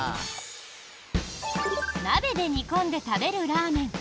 鍋で煮込んで食べるラーメン。